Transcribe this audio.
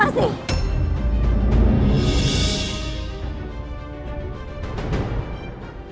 aku mau ke rumah mama